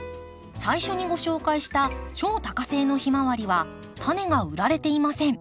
最初にご紹介した超多花性のヒマワリはタネが売られていません。